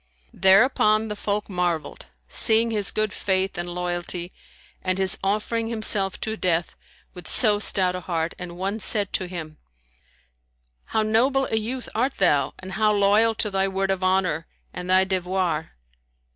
Thereupon the folk marvelled, seeing his good faith and loyalty and his offering himself to death with so stout a heart; and one said to him, "How noble a youth art thou and how loyal to thy word of honour and thy devoir!"